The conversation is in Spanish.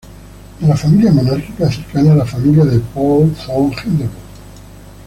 De familia monárquica, cercana a la familia de Paul von Hindenburg.